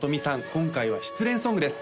今回は失恋ソングです